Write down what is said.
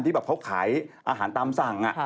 แบบเขาขายอาหารตามสั่ง